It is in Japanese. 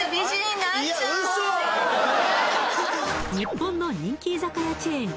日本の人気居酒屋チェーン